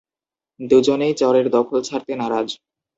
দুজনেই চরের দখল ছাড়তে নারাজ।